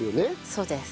そうです。